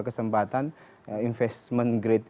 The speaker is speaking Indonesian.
kesempatan investment grade